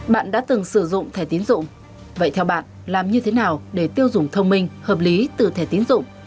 bạn đã từng sử dụng thẻ tiến dụng vậy theo bạn làm như thế nào để tiêu dùng thông minh hợp lý từ thẻ tiến dụng